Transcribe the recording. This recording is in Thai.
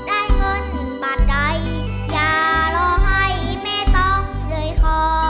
ได้เงินบาทใดอย่ารอให้แม่ต้องเอ่ยคอ